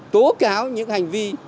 tố cáo những hành vi